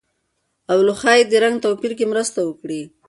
اولو ښايي د رنګ توپیر کې مرسته وکړي.